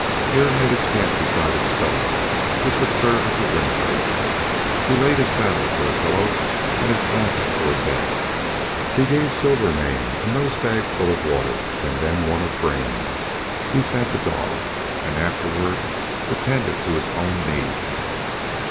Hare made his camp beside a stone which would serve as a wind break. He laid his saddle for a pillow and his blanket for a bed. He gave Silvermane a nose bag full of water and then one of grain; he fed the dog, and afterward attended to his own needs.